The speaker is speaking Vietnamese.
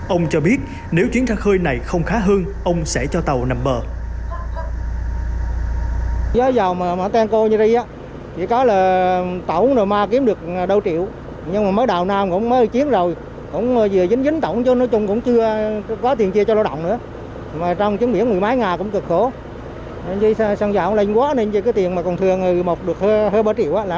ông cho biết nếu chuyến ra khơi này không khá hơn ông sẽ cho tàu nằm bờ